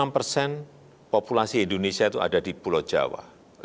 enam persen populasi indonesia itu ada di pulau jawa